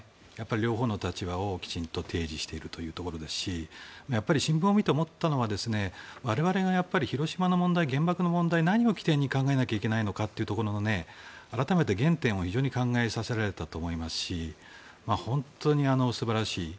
両方の立場をきちんと提示しているというところですし新聞を見て思ったのは我々が広島の問題、原爆の問題何を起点に考えなければいけないのかというところの改めて原点を、非常に考えさせられたと思いますし本当に素晴らしい。